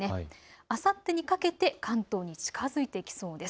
あさってにかけて関東に近づいてきそうです。